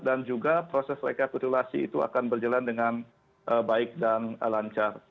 dan juga proses rekap titulasi itu akan berjalan dengan baik dan lancar